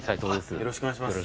よろしくお願いします